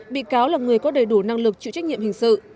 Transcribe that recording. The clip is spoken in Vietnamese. bị cáo là người có đầy đủ năng lực chịu trách nhiệm hình sự